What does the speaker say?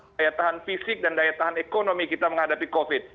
daya tahan fisik dan daya tahan ekonomi kita menghadapi covid